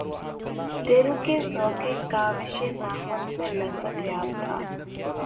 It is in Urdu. دل کہ ذوقِ کاوشِ ناخن سے لذت یاب تھا